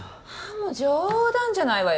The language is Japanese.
もう冗談じゃないわよ